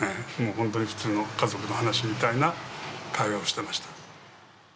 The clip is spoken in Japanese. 本当に普通の家族の話みたいな会話をしていました。